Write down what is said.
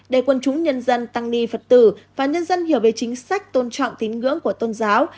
để quân chúng nhân dân tăng ni phật tử và nhân dân hiểu về chính sách tôn trọng tín ngưỡng của tôn giáo